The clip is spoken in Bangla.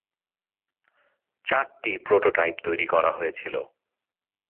চারটি প্রোটোটাইপ তৈরি করা হয়েছিল।